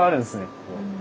ここ。